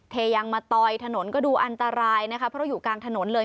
ยังมาตอยถนนก็ดูอันตรายนะคะเพราะอยู่กลางถนนเลย